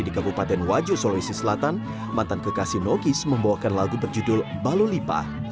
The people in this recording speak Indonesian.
di kabupaten wajo sulawesi selatan mantan kekasih nogis membawakan lagu berjudul balulipa